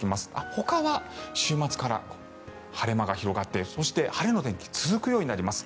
ほかは週末から晴れ間が広がってそして、晴れの天気が続くようになります。